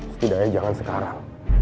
setidaknya jangan sekarang